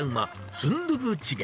スンドゥブチゲ。